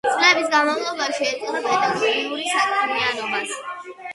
წლების განმავლობაში ეწოდა პედაგოგიურ საქმიანობას.